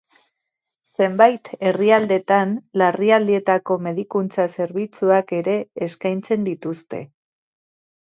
Zenbait herrialdetan larrialdietako medikuntza zerbitzuak ere eskaintzen dituzte.